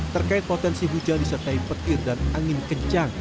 terkait potensi hujan disertai petir dan angin kencang